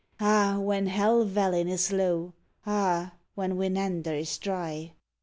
Ah, when Helvellyn is low ! ah, when Winander is dry !